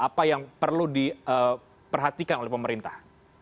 apa yang perlu diperhatikan oleh pemerintah